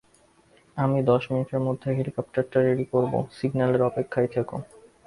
আমি দশ মিনিটের মধ্যে হেলিকপ্টারটা রেডি করবো, সিগন্যালের অপেক্ষায় থেকো।